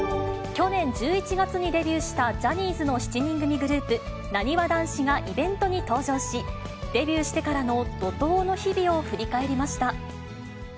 去年１１月にデビューしたジャニーズの７人組グループ、なにわ男子がイベントに登場し、デビューしてからの怒とうの日々を振り返りました。